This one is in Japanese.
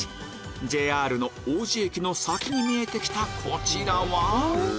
ＪＲの王子駅の先に見えてきたこちらは？